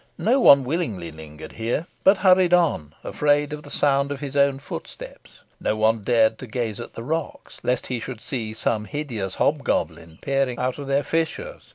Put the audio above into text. No one willingly lingered here, but hurried on, afraid of the sound of his own footsteps. No one dared to gaze at the rocks, lest he should see some hideous hobgoblin peering out of their fissures.